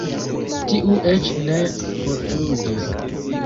Tiu eĉ ne forflugis.